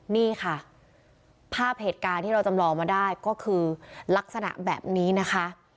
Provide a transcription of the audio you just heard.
นี่ค่ะภาพเหตุการณ์ที่เราจำลองมาได้ก็คือลักษณะแบบนี้นะคะ